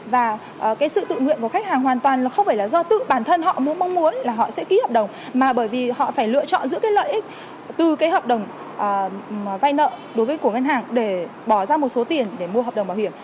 và cái sự tự nguyện của khách hàng hoàn toàn là không phải là do tự bản thân họ mong muốn là họ sẽ ký hợp đồng mà bởi vì họ phải lựa chọn giữa cái lợi ích từ cái hợp đồng vay nợ đối với của ngân hàng để bỏ ra một số tiền để mua hợp đồng bảo hiểm